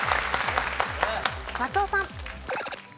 松尾さん。